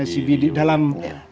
dalam sidang scbd ya pak tar